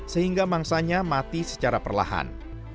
sehingga mangsanya mati secara perlahan